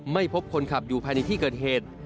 ไม่พบคนขับอยู่ภายในที่เกิดเหตุ